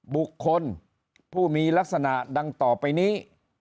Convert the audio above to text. บุคคลผู้มีลักษณะดังต่อไปนี้